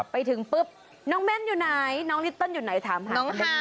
ไปถึงปุ๊บน้องเม้นอยู่ไหนน้องลิเติ้ลอยู่ไหนถามหาน้องฮา